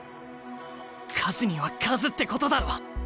数には数ってことだろ。